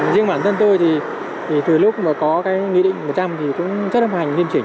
riêng bản thân tôi thì từ lúc mà có cái nghị định một trăm linh thì cũng rất âm hành nghiêm chỉnh